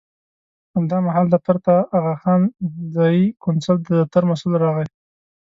همدا مهال دفتر ته د اغاخان ځایي کونسل د دفتر مسوول راغی.